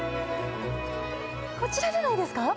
こちらじゃないですか？